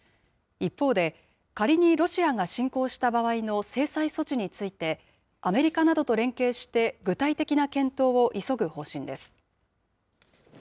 一方で、仮にロシアが侵攻した場合の制裁措置について、アメリカなどと連携して、具体的な検討を急ぐ方針です。